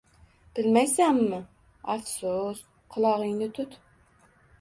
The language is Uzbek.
Bilmaysanmi? Afsus… Qulog’ingni tut.